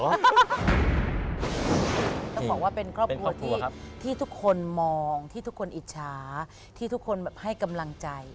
ต้องบอกว่าเป็นครอบครัวที่ทุกคนมองที่ทุกคนอิจฉาที่ทุกคนให้กำลังใจ